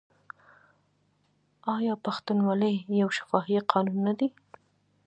آیا پښتونولي یو شفاهي قانون نه دی؟